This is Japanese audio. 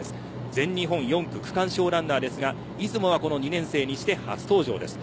全日本４区区間賞ランナーですが出雲は２年生にして初出場です。